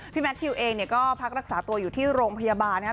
แมททิวเองเนี่ยก็พักรักษาตัวอยู่ที่โรงพยาบาลนะครับ